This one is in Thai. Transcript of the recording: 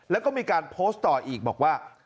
แล้วก็มีการโพสต์ต่ออีกบอกว่า